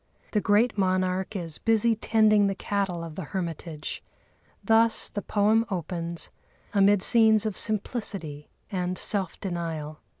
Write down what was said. The great monarch is busy tending the cattle of the hermitage. Thus the poem opens, amid scenes of simplicity and self denial.